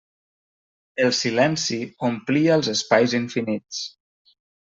El silenci omplia els espais infinits.